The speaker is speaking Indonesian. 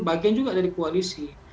bagian juga dari koalisi